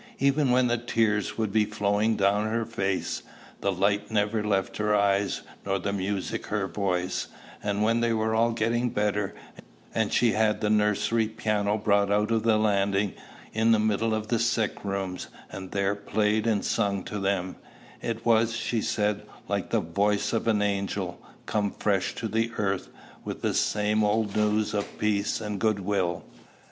Even when the tears would be flowing down her face, the light never left her eyes nor the music her voice; and when they were all getting better, and she had the nursery piano brought out on the landing in the middle of the sick rooms, and there played and sung to them, it was, she said, like the voice of an angel, come fresh to the earth, with the same old news of peace and good will.